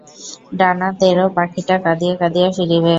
ডানা তেড়ো পাখিটা কাঁদিয়া কাঁদিয়া ফিরিবে।